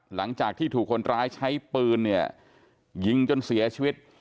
หลังจากที่ถูกคนร้ายใช้ปืนเนี่ยยิงจนเสียชีวิต